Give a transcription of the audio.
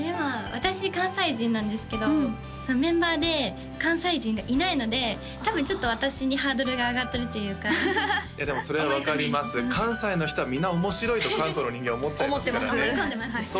私関西人なんですけどメンバーで関西人がいないので多分ちょっと私にハードルが上がってるっていうかでもそれは分かります関西の人は皆面白いと関東の人間は思っちゃいますからね思い込んでます？